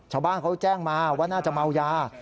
ชาวบ้านเขาแจ้งมาว่าน่าจะเมายา